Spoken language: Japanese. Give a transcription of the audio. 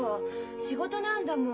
仕事なんだもん。